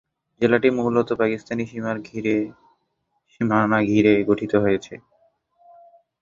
জেলাটি মূলত পাকিস্তানের সীমানা ঘিরে গঠিত হয়েছে।